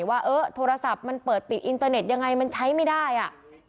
ว่าเออโทรศัพท์มันเปิดปิดอินเตอร์เน็ตยังไงมันใช้ไม่ได้อ่ะ